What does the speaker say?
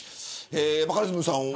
バカリズムさんは。